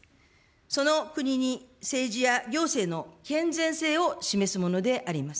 その国に政治や行政の健全性を示すものであります。